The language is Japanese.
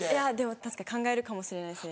確かに考えるかもしれないですね。